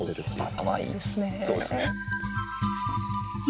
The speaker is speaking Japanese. そうですねお花。